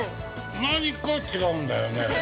◆何か違うんだよね。